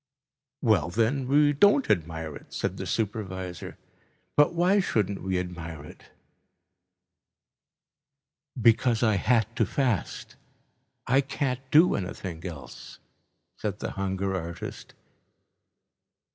"Well then, we don't admire it," said the supervisor, "but why shouldn't we admire it?" "Because I had to fast. I can't do anything else," said the hunger artist.